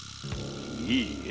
いいえ